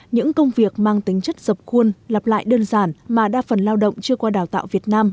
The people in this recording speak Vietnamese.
những công việc mang tính chất dập khuôn lặp lại đơn giản mà đa phần lao động chưa qua đào tạo việt nam